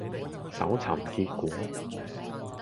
搜尋結果